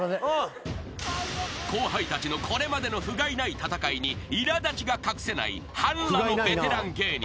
［後輩たちのこれまでのふがいない戦いにいら立ちが隠せない半裸のベテラン芸人］